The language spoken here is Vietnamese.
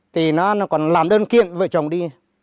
thì nó còn làm đơn kiện vợ chồng đi